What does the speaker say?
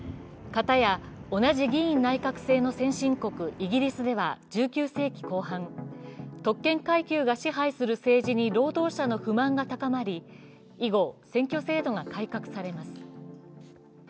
イギリスでは１９世紀後半、特権階級が支配する政治に労働者の不満が高まり以後、選挙制度が改革されます。